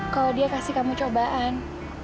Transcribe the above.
kalau dia kasih kamu cobaan